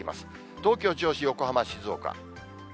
東京、銚子、横浜、静岡。